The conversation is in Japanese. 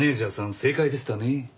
正解でしたね。